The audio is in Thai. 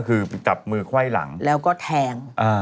คือจับมือไขว้หลังแล้วก็แทง